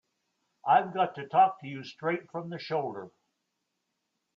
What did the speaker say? I've got to talk to you straight from the shoulder.